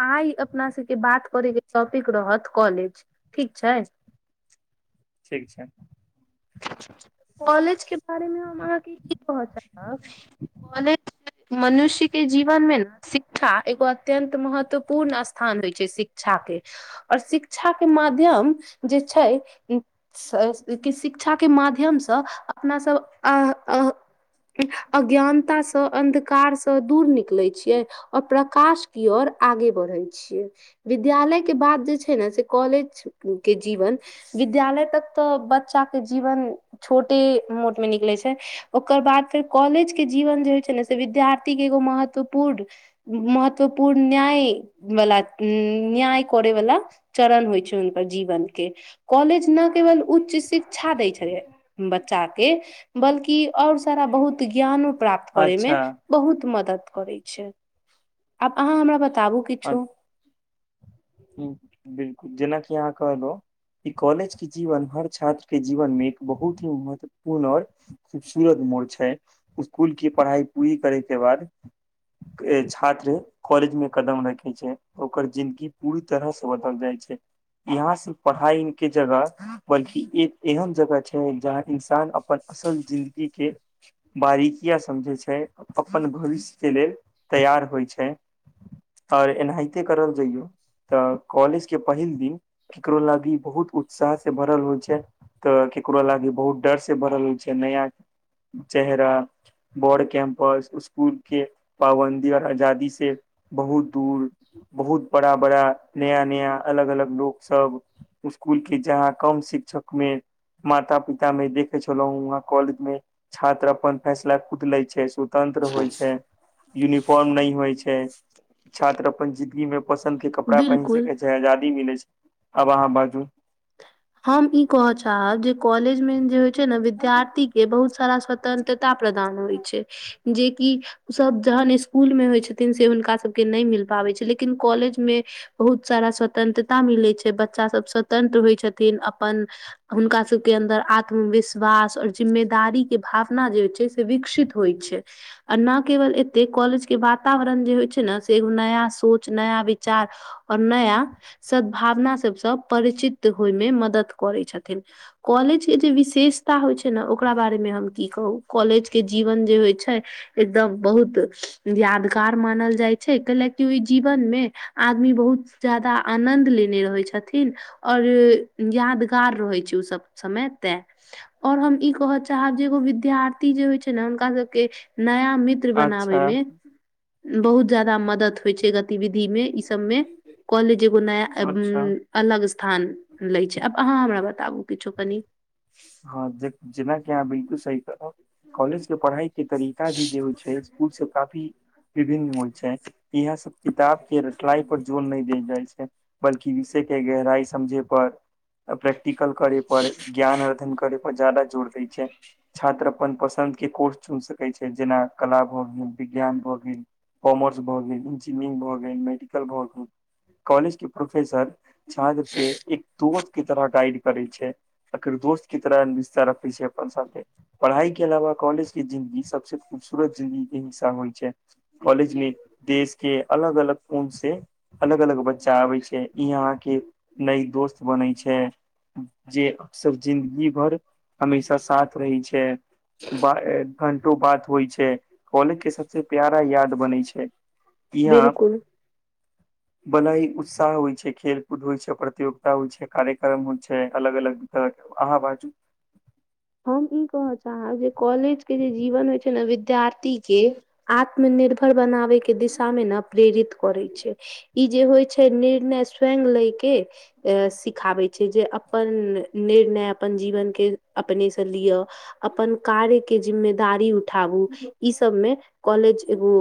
आइ अपना सभके बात करेके टॉपिक रहत कॉलेज ठीक छै। ठीक छै कॉलेजके बारेमे हम अहाँकेँ कि पहुँचब कॉलेज मनुष्य के जीवन मे ने शिक्षा एगो अत्यन्त महत्वपूर्ण स्थान होई छै शिक्षा के ओर शिक्षा के माध्यम जे छै के शिक्षाके माध्यमसँ अपना सभ अ अज्ञानतासँ अन्धकारसँ दूर निकलै छिये। आओर प्रकाश कि और आगे बढ़े छियै। विद्यालय के बाद जे छै ने से कॉलेज के जीवन विद्यालय तक तऽ बच्चा के जीवन छोटे मोट मे निकले छै ओकर बाद फेर कॉलेज के जीवन जे होई छै ने से विद्यार्थी के एगो महत्वपूर्ण महत्वपूर्ण न्याय वला न्याय करे वला चरण होई छै, हुनकर जीवन के कॉलेज ने केवल उच्च शिक्षा दै छलै बच्चाके बल्कि आओर सारा बहुत ज्ञानो प्राप्त करयमे अच्छा बहुत मदद करै छै। आब अहाँ हमरा बताबु अ बिलकुल जेनाकि अहाँ कहलौ ई कॉलेज के जीवन हर छात्र के जीवन मे एक बहुत ही महत्वपूर्ण आओर खूबसूरत मोड़ छै स्कुल के पढ़ाइ पूरी करै के बाद छात्र कॉलेज मे कदम रखे छै ओकर जिंन्दगी पूरी तरहसँ बदल जाइ छै। यहाँ से पढ़ाई के जगह बल्कि एक एहन जगह छै जहाँ इन्सान अपन असल जिन्दगी के बारीकिया समझै छै अपन भविष्य के लेल तैयार होइ छै, आओर एनाहिते करल जइयौ तऽ कॉलेज के पहिल दिन ककरो लागी बहुत उत्साह से भरल होइ छै, तऽ केकरो लागी बहुत डर से भरल छै नया चेहरा बोर्ड कैम्पस स्कूल के पाबन्दी आओर आजादी से बहुत दूर बहुत बड़ा बड़ा नया नया अलग अलग लोक सब स्कुल के जहाँ कम शिक्षकमे माता पिता मे देखे छलौ वहाँ कॉलेज में छात्र अपन फैसला खुद लै छै, तंत्र होइ छै यूनिफॉर्म नहि होइ छै। छात्र अपन जिदगी में पसन्द के कपड़ा पहिन बिल्कुल सकैत छै आजादी मिलैत छै आब अहाँ बाजू हम ई कहऽ चाहब जे कॉलेज में जे होइ छै ने विद्यार्थी के बहुत सारा स स्वतन्त्रता प्रदान होइ छै जेकि ओसभ जहन स्कुल मे होइत छथिन से हुनकासभके नहि मिल पाबैत छै लेकिन कॉलेजमे बहुत सारा स्वतंत्रता मिलैत छै बच्चा सभ स्वतंत्र होइ छथिन अपन हुनका सभके अन्दर आत्मविश्वास आ़ओर जिम्मेदारी के भावना जे होइ छै विकसित होइ छै आ नहि केवल एतेक कॉलेजके वातावरण जे होइ छै ने से एगो नया सोच नया विचार आओर नया सद्भावना सबसँ परिचित होयमे मदद करैत छथिन कॉलेजके जे विशेषता होइ छै न ओकरा बारेमे हम की कहू कॉलेजके जीवन जे होइ छै एकदम बहुत यादगार मानल जाइ छै कैलाकि ओहि जीवन मे आदमी बहुत जादा आनन्द लेने रहै छथिन आओर यादगार रहै छै उ सब समय ते आओर हम ई कहय चाहब जे एगो विद्यार्थी जे होइ छै ने हुनका सबके नया मित्र बनाबे अच्छा मे बहुत जायदा मदद होइ छै गतिविधि मे ई सब मे कॉलेज एगो नया अच्छा अलग स्थान लै छै आब अहाँ हमरा बताबू किछो कनि हँ जे जेना कहाँ बिलकुल सही कहलौ कॉलेजके पढ़ाइ के तरीका भी जे होइ छै स्कुल से काफी विभिन्न होइ छै इहा सब किताब के रटलाइ पर जोर नहि देल जाइ छै बल्कि विषय के गहराइ समझे पर प्रैक्टिकल करे पर ज्ञान कर पर जादा जोर दै छै छात्र अपन पसन्द के कोर्स चुन सकैत छै जेना कला भऽ गेल विज्ञान भए गेल कॉमर्स भऽ गेल इंजीनियरिंग भऽ गेल मेडिकल भऽ गेल कॉलेज के प्रोफेसर छात्र के एक दोस्त के तरह गाइड करे छै एकर दोस्त चित्र विस्तार अपै छै अपन साथे पढ़ाई के अलावा कॉलेज के जिन्दगी सभसे खूबसूरत जिंदगी के हिस्सा होई छै कॉलेज ली देश के अलग अलग कोन से। अलग अलग बच्चा आबे छै इ यहा के नई दोस्त बनै छै जे अकसर जिन्दगी भर। हमेशा साथ रहै छै घंडटो बात होई छै कॉलेज के सभसँ प्यारा याद बनै छै यहाँ बिलकुल [inaudible] वाला ही उत्साह होई छै खेल कूद होई छै प्रतियोगिता होई छै कार्यक्रम होई छै अलग अलग तरह के अहाँ बाजू हम ई कहय चाहब जे कॉलेज के जे जीवन होई छै ने विद्यार्थी के आत्म निर्भर बनाबे के दिशा मे ने प्रेरित करै छै इ जे होय छै निर्णय स्वयं लय के सिखाबै छै जे अपन निर्णय अपन जीवन के अपने से लिअ अपन कार्य के जिम्मे। दारी उठाबू ई सभ मे कॉलेज एगो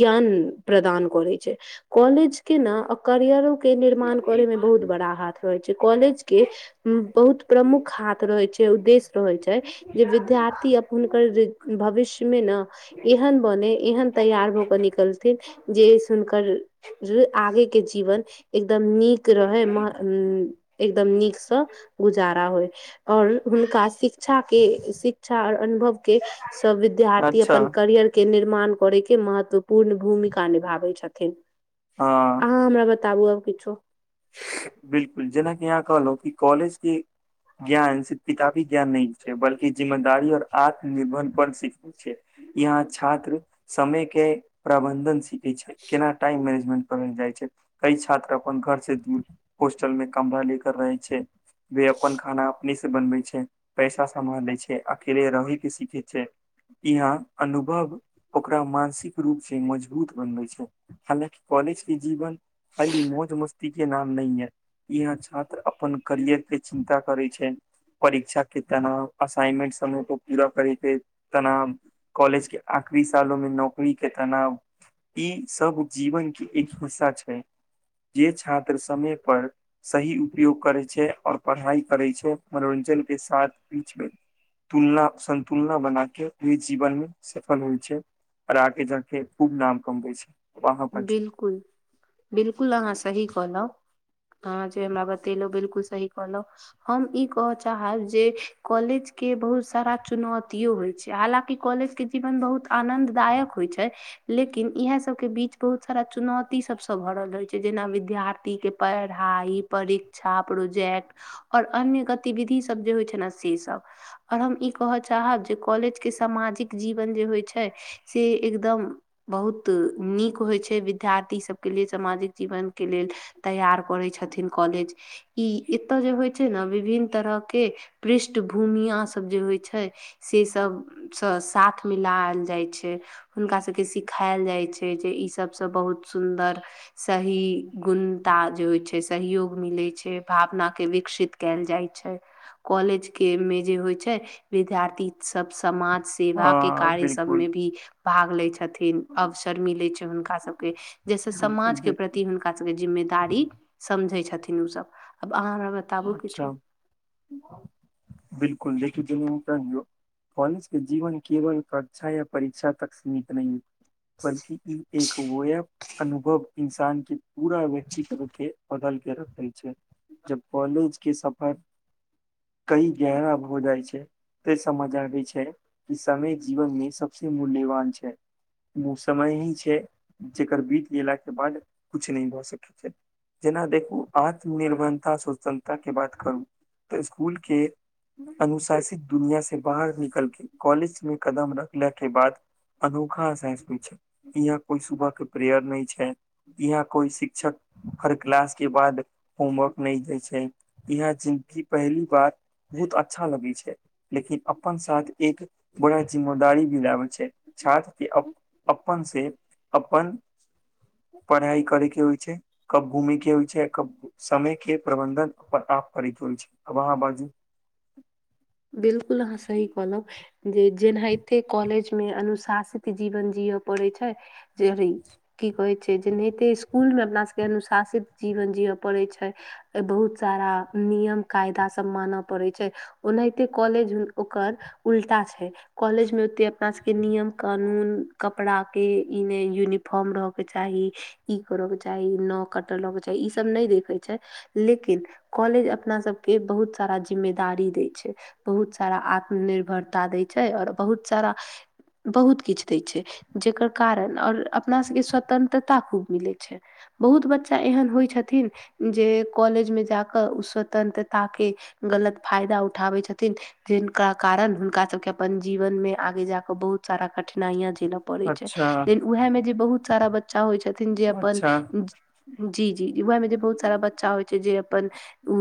ज्ञान प्रदान करै छै कॉलेज के ने आ करियरो के निर्माण करे मे बहुत बड़ा हाथ रहै छै कॉलेज के बहुत प्रमुख हाथ रहे छै उद्देश्य रहै छै। जे विद्यार्थी अपन हुनकर भविष्यमे न एहन बने एहन तैयार भऽ क निकलथिन जे सुुनकर। जे आगे के जीवन एकदम नीक। रहै एकदम नीकसँ। जारा होय और हुनका शिक्षा के शिक्षा और अनुभव के सभ विद्यार्थी अच्छा अपन करियर के निर्माण करै के महत्वपूर्ण भूमिका निभाबै छथिन। ह ह हमरा बताबु आब किछो बिल्कुल जेनाकि अहाँ कहलहु कि कॉलेज के ज्ञान किताबी ज्ञान नै छै बल्क जिम्मेदार और आत्म निर्भर पर सिख यहा छात्र समय के प्रबंधन स केना टाइम मैनेजमेट करल जाइ छै कई छात्र अपन घर से दूर होस्टल मे कमरा ले कर रहे छै। ल वे अपन खाना अपने बनबै छै, पैसा सम्हालै छै, अकेले रहै के सीखे छै। यहा अनुभव ओकरा मानसिक रूप से मजबूत बनबे छै। हालाकि कॉलेज के जीवन खाली मौज मस्ती के नाम नयये यहा छात्र अपन करियर के चिन्ता करे छै परीक्षा के तनाव, असाइनमेट समयप पूरा करैके तनाव कॉलेज के आखरी सालोमे नौकरी के तनाव ई सभ जीवन के एक हिस्सा छै। जे छात्र समय पर सही उपयोग करै छै, और पढ़ाई करै छै, मनोरञजन के साथ। बीचमे तुलना संन्तुलना बना के, ओइ जीवन मे सफल होई छै आर आगे जाके खूब नाम कमबै छै। वहाँ पर बिल्कूल, बिल्कूल अहाँ सही कहऽ लउ ह जे हमरा बतेलहु बिल्कूल सही कहलो हम ई कहय चाहब जे कॉलेज के बहुत सारा चुनौतियो होई छै। हालकि कॉलेज के जीवन बहुत आनन्ददायक होई छै। लेकिन इएह सभके बीच बहुत सारा चुनौती सब सब भरल रहै छै जेना विद्यार्थी के पढ़ाइ, परीक्षा, प्रोजेक्ट आओर अन्य गतिविधि सब जे होइ छै ने से सब। आओर हम ई कह चाहब जे कॉलेज के सामाजिक जीवन जे होइ छै से एकदम बहुत नीक होइ छै विद्यार्थी सबके लिए, सामाजिक जीवन के लेल तैयार करै छथिन कॉलेज ई एतऽ जे होइ छै ने विभिन्न तरहके पृष्ठभूमिया सब जे होइ छै से सबसँ साथ मिलायल जाइ छै, हुनका सबके सिखायल जाइ छै हे जे ई सब बहुत सुन्दर सही गुंता जे होइ छै सहयोग मिलै छै, भावना के विकसित कयल जाइ छै कॉलेज के मे जे होइ छै, विद्यार्थी सब समाज सेवा के हँ कार्य सब बिलकुल में भी भाग लय छथिन। अवसर मिले छै हुनका के जैसे बिलकुल समाज के बिलकुल प्रति हुनका सबके जिम्मेदारी समझै छथिन ओ सब। आब अहाँ हम अच्छा बिलकुल देखू [inaudible] कौलेज के जीवन केवल कक्षा या परीक्षा तक सीमित नहि बल्कि ई एक वोयब अनुभव इन्सान के पूरा व्यक्तित्व के बदल के रखय छै जब कॉलेज के सफर कही गहरा भऽ जाइ छै ते समझ आबे छै कि समय जीवन मे सबसे मूल्यवान छै ओ समय ही छै जकर बीत गेलाके बाद कुछ नहि भऽ सकैत छै जेना देखू आत्मनिर्भन्ता स समता के बात करू तऽ स्कुल के अनुशासित दुनिया से बाहर निकल के कॉलेज में कदम रखला के बाद अनोखा अहसास छै इहाँ कोइ सुभ के प्रेयर नहि छै इहाँ कोई शिक्षक हर क्लास के बाद होमवर्क नहि दै छै ए यहाँ जिनकी पहली बात बहुत अच्छा लगै छै लेकिन अपन साथ एक बड़ा जिम्मेदारी भी लाबे छै। छात्र के अब अप्पन से अप्पन पढ़ाइ करै के होइ छै, कब घूमि के होइ छै कब समय के प्रबंधन छै। अब अहाँ बाजू बिल्कुल अहां सही कहलौ जे जेनाहिते कॉलेज मे अनुशासित जीवन जियऽ पड़ै छै। जे की कहै छै। जेनाहिते स्कुलमे अपना सभके अनुशासित जीवन जियय पड़ै छै। बहुत सारा नियम कायदा सब मानऽ पड़ै छै। ओनाहिते कॉलेज ओकर उल्टा छै। कॉलेज में ओते अपना सबके नियम कानून कपड़ा के इ ने यूनिफॉर्म रह के चाही ई करऽ के चाही न कटल के चाही ई सब नहि देखे छै। छै। लेकिन कॉलेज अपना सब के बहुत सारा जिम्मेदारी दे बहुत सारा आत्मनिर्भरता दै छै। आओर बहुत सारा बहुत किछु दै छै। जेकर कारण आओर अपना सबके स्वतंत्रता खूब मिलै छै। बहुत बच्चा एहन होइ छथिन। जे कॉलेज में जाकऽ ओ स्वतंत्रता के गलत फायदा उठ उठाबै छथिन। जिनका कारण हुनका सबके अपन जीवन मे आगे जा कऽ बहुत सारा कठिनाइयाँ झेलऽ पड़ै छै। अच्छा लेकिन उएहमे जे बहुत सारा बच्चा होइ छथिन। जे अपन अच्छा जी जी उह मे जे बहुत सारा बच्चा होइ छै। जे अपन ओ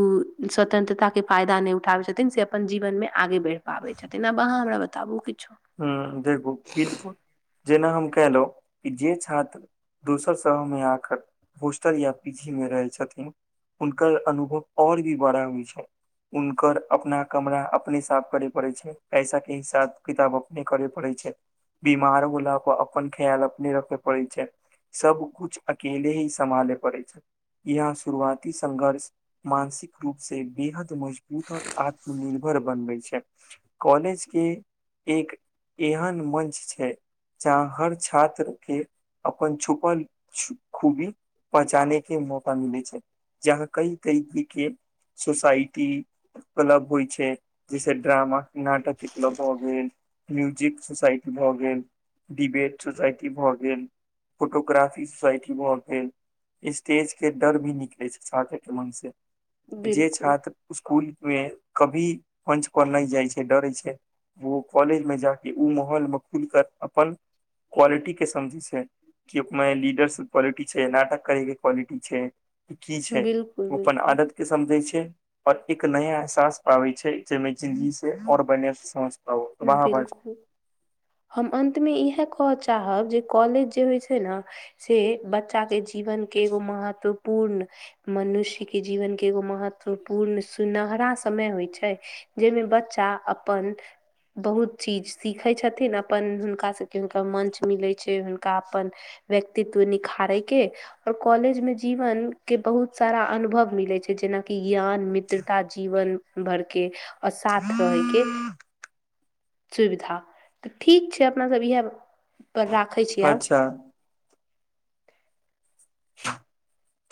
स्वतंत्रता केँ फायदा नय उठाबै छ थिन से अपन जीवनमे आगे बैढ़ पाबै छथिन। आब अहाँ हमरा बताबू किछो हूँ देखू बिलकुल जेना हम केहलो कि जे छात्र दोसर शमे आ कर होस्टल या पी जी मे रहैत छथिन। हुनकर अनुभव आओर भी बड़ा होइ छै। उनकर अपना कमरा अपने साफ करे पड़े छै। पैसा केँ हिसाब किताब अप ने करे पड़ै छै बीमारो होला पर अपन ख्याल अपने रखे पड़ै छै। सब कुछ अकेले ही सम्भाले पड़ै छै। ई अहाँ शुरुआती संघर्ष मानसिक रूप से बेहद मजबूत आओर आत्मनिर्भर बनबै छै। कॉलेज केँ एक एहन मंच छै जहाँ हर छात्र केँ अपन छुपल खूबी पहचाने केँ मौका मिलै छै। जहाँ कई तरीके केँ सोसाईटी क्लब होइ छै। जैसे ड्रामा नाटक केँ क्लब भऽ गेल। म्यूजिक सोसाइटी भऽ गेल। डिबेट सोसाईटी भऽ गेल फोटोग्राफी सोसाईटी भऽ गेल। स्टेज केँ डर भी निकले छै। छात्र केँ मन से जे बिल्कुल छात्र उसकुल मे कभी मंच पर नय जाइ छै। डरे छै उ कॉलेज मे जा केँ उ माहौलमे खूल कर अपन क्वालिटी केँ समझै छै। की उपमे लीडरशप क्वालिटी छै नाटक करै केँ क्वालिटी छै। की - की छै बिल्कुल ओ अपन बिल्कुल आदत केँ समझै छै। पर एक नया एहसास पाबै छै। जेहिमे जिन्दगी से आओर बढिया से समझ पाबो वाह भाई बिलकुल हम अन्तमे इहै कहऽ चाहब जे कॉलेज जे होइ छै। नऽ से एक बच्चा केँ जीवन केँ एगो महत्वपूर्ण मनुष्य केँ जीवन केँ एगो महत्वपूर्ण सुनहरा समय होइ छै। जहिमे बच्चा अपन बहुत चीज सीखै छथिन अपन हुनकास सभ केँ हुनकर मंच मिलै छै। हुनका अपन व्यक्तित्व निखारै केँ आओर कॉलेजमे जीवन केँ बहुत सारा अनुभव मिलै छै। जेनाकि ज्ञान मित्रता जीवन भर केँ आओर साथ रहै केँ सुविधा तऽ ठीक छै। अपना सब इह पर रा अच्छऽ